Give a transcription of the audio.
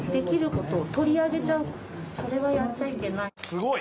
すごい！